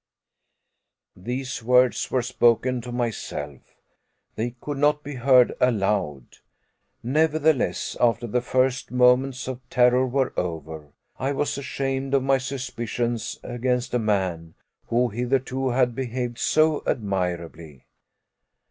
These words were spoken to myself. They could not be heard aloud. Nevertheless, after the first few moments of terror were over, I was ashamed of my suspicions against a man who hitherto had behaved so admirably.